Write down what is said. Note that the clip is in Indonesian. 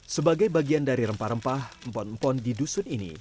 sebagai bagian dari rempah rempah empon empon di dusun ini